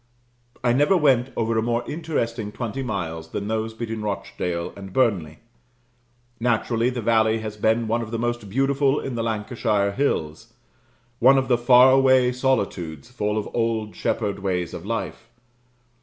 I never went over a more interesting twenty miles than those between Rochdale and Burnley. Naturally, the valley has been one of the most beautiful in the Lancashire hills; one of the far away solitudes, full of old shepherd ways of life.